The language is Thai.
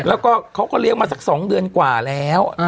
แล้วก็เขาก็เลี้ยงมาสัก๒เดือนกว่าแล้ว